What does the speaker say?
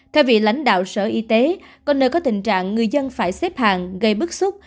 theo vị lãnh đạo sở y tế có nơi có tình trạng người dân phải xếp hàng gây bức xúc